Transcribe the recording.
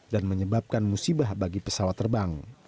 menyebabkan musibah bagi pesawat terbang